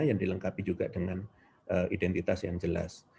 yang dilengkapi juga dengan identitas yang jelas